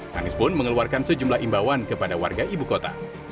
hanisbon mengeluarkan sejumlah imbauan kepada warga ibu kota